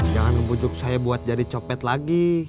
jangan membujuk saya buat jadi copet lagi